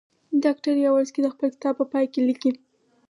ډاکټر یاورسکي د خپل کتاب په پای کې لیکي.